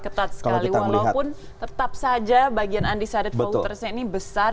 ketat sekali walaupun tetap saja bagian anissa the voters ini besar